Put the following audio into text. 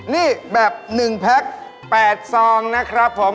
นี่แบบ๑แพ็ค๘ซองนะครับผม